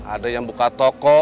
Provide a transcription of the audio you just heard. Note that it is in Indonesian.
ada yang buka toko